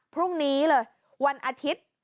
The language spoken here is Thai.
พรุ่งนี้เลยวันอาทิตย์